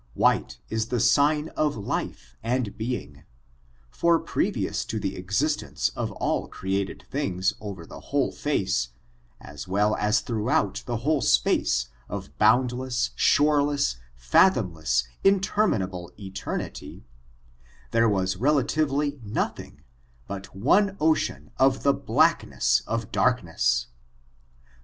White is the sign of life and being; for, prerioiis to the existence of all created things over the whole face, as well as throughout the whole space of botmd less, shoreless, fathomless, interminable eternity, there was relatively nothing but one oceaQ of the black ness of darkness.